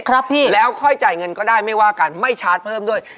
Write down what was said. ครับพี่แล้วค่อยจ่ายเงินก็ได้ไม่ว่ากันไม่ชาร์จเพิ่มด้วย